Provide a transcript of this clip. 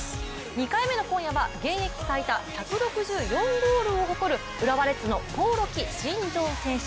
２回目の今夜は現役最多１６４ゴールを誇る浦和レッズの興梠慎三選手。